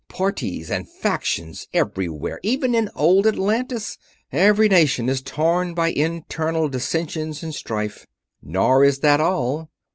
Parties and factions everywhere, even in old Atlantis. Every nation is torn by internal dissensions and strife. Nor is this all.